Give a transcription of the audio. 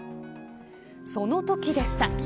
そのときでした。